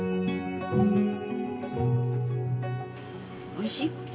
おいしい？